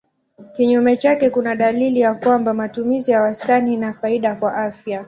Kinyume chake kuna dalili ya kwamba matumizi ya wastani ina faida kwa afya.